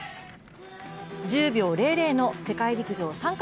１０秒００の世界陸上参加